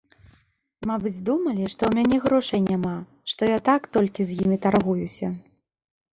Мабыць, думалі, што ў мяне грошай няма, што я так толькі з імі таргуюся.